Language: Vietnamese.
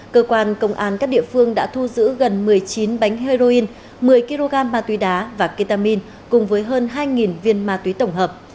cơ quan công an các địa phương đã thu giữ gần một mươi chín bánh heroin một mươi kg ma túy đá và ketamin cùng với hơn hai viên ma túy tổng hợp